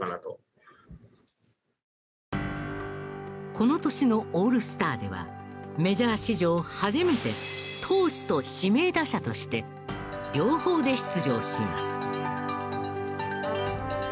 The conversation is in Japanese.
この年のオールスターではメジャー史上初めて投手と指名打者として両方で出場します。